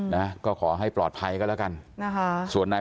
นะฮ่าก็ขอให้ปลอดภัยก็แล้วกันน่ะฮ่า